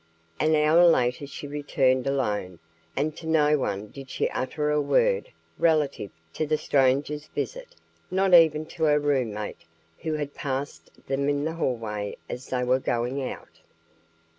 An hour later she returned alone, and to no one did she utter a word relative to the stranger's visit, not even to her roommate, who had passed them in the hall as they were going out.